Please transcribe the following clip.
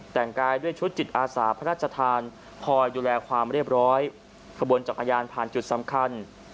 แต่งกายด้วยชุดจิตอาสาพระราชทานคอยดูแลความเรียบร้อยขบวนจักรยานผ่านจุดสำคัญ